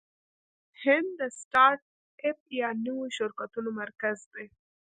هند د سټارټ اپ یا نویو شرکتونو مرکز دی.